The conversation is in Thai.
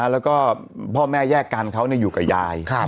แล้วก็พ่อแม่แยกกันเขาอยู่กับยาย